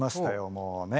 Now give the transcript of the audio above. もうね。